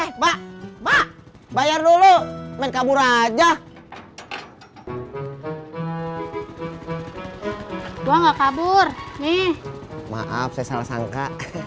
eh mbak mbak bayar dulu main kabur aja doa enggak kabur nih maaf saya salah sangka